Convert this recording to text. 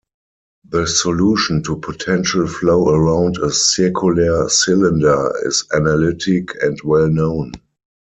The solution to potential flow around a circular cylinder is analytic and well known.